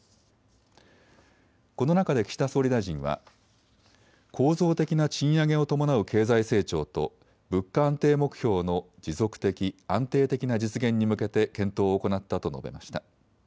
この中で岸田総理大臣は構造的な賃上げを伴う経済成長と物価安定目標の持続的、安定的な実現に向けて検討を行ったと述べました。